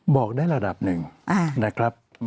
บอกได้ระดับหนึ่งนะครับ